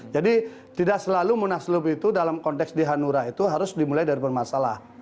jadi tidak selalu munasulup itu dalam konteks dihanura itu harus dimulai dari bermasalah